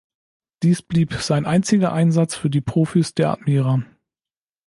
Dies blieb sein einziger Einsatz für die Profis der Admira.